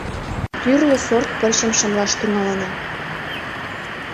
— Тӱрлӧ сорт пырчым шымлаш тӱҥалына.